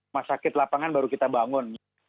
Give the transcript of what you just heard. masyarakat lapangan baru kita bangun